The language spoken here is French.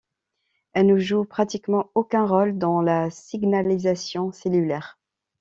Elle ne joue pratiquement aucun rôle dans la signalisation cellulaire.